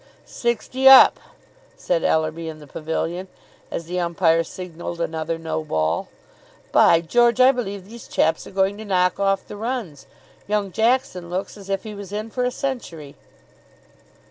"Sixty up," said Ellerby, in the pavilion, as the umpire signalled another no ball. "By George! I believe these chaps are going to knock off the runs. Young Jackson looks as if he was in for a century."